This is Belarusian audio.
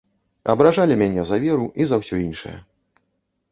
Абражалі мяне за веру і за ўсё іншае.